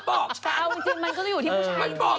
เอาจริงมันก็ต้องอยู่ที่ผู้ชายจริง